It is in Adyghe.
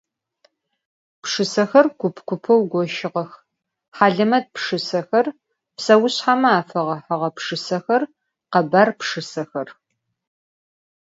Pşşısexer kup - kupeu goşığex: halemet pşşısexer, pseuşsheme afeğehığe pşşısexer, khebar pşşısexer.